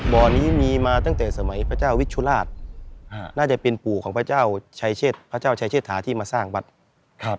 บ่อนี้มีมาตั้งแต่สมัยพระเจ้าวิชุราชน่าจะเป็นปู่ของพระเจ้าชายเชษพระเจ้าชายเชษฐาที่มาสร้างวัดครับ